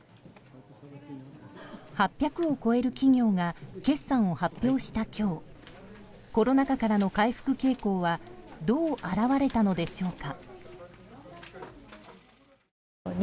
８００を超える企業が決算を発表した今日コロナ禍からの回復傾向はどう表れたのでしょうか。